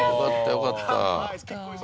よかったね。